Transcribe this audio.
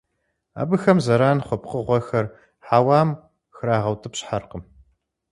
Абыхэм зэран хъу пкъыгъуэхэр хьэуам храгъэутӀыпщхьэркъым.